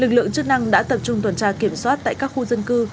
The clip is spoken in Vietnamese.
lực lượng chức năng đã tập trung tuần tra kiểm soát tại các khu dân cư